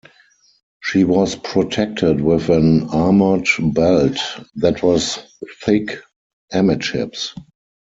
She was protected with an armored belt that was thick amidships.